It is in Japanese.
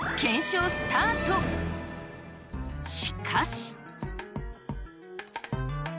しかし。